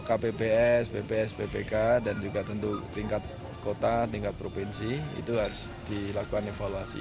kpps bps bpk dan juga tentu tingkat kota tingkat provinsi itu harus dilakukan evaluasi